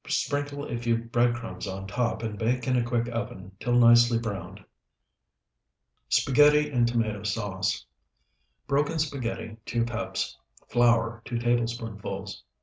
Sprinkle a few bread crumbs on top and bake in a quick oven till nicely browned. SPAGHETTI IN TOMATO SAUCE Broken spaghetti, 2 cups. Flour, 2 tablespoonfuls.